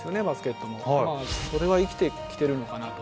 まあそれは生きてきてるのかなと。